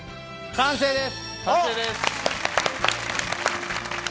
完成です！